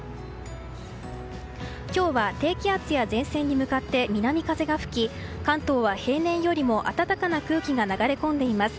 今日は低気圧や前線に向かって南風が吹き、関東は平年よりも暖かな空気が流れ込んでいます。